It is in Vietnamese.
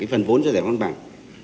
và phần vốn cho giải phóng mặt bằng